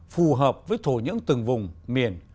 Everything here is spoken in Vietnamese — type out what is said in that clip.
phù hợp với thổ những từng vùng miền